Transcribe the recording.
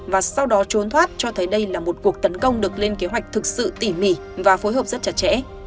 và sau đó trốn thoát cho thấy đây là một cuộc tấn công được lên kế hoạch thực sự tỉ mỉ và phối hợp rất chặt chẽ